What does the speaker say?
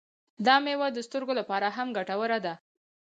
دا میوه د سترګو لپاره هم ګټوره ده.